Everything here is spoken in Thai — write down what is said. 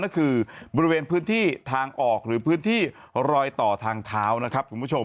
ก็คือบริเวณพื้นที่ทางออกหรือพื้นที่รอยต่อทางเท้า